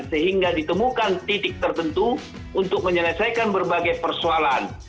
sehingga ditemukan titik tertentu untuk menyelesaikan berbagai persoalan